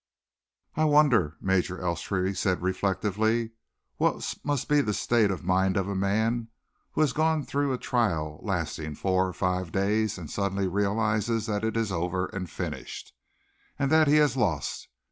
"I wonder," Major Elstree said reflectively, "what must be the state of mind of a man who has gone through a trial lasting four or five days, and suddenly realizes that it is over and finished, and that he has lost.